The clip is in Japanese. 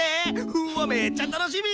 うわめっちゃ楽しみ！